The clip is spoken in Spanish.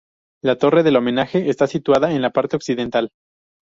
La torre del homenaje está situada en la parte occidental.